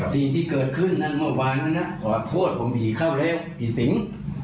สิ่งที่เกิดขึ้นนั้นเมื่อวานนะขอโทษผมผีเข้าแล้วผีสิง